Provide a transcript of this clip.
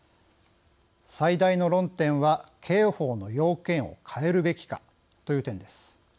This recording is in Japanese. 最大の論点は刑法の要件を変えるべきかという点です。